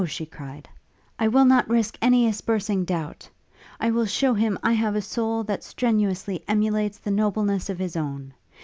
she cried: 'I will not risk any aspersing doubt; I will shew him I have a soul that strenuously emulates the nobleness of his own.